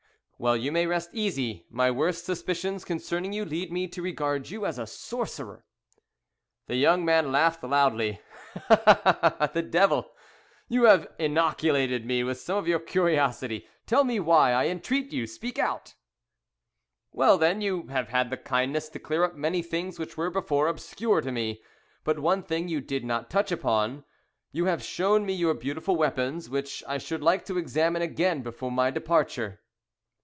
"Well, you may rest easy. My worst suspicions concerning you lead me to regard you as a sorcerer!" The young man laughed loudly. "The devil! You have inoculated me with some of your curiosity: tell me why, I entreat you speak out!" "Well, then, you have had the kindness to clear up many things which were before obscure to me; but one thing you did not touch upon. You have shown me your beautiful weapons, which I should like to examine again before my departure."